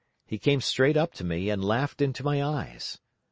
He came straight up to me and laughed into my eyes.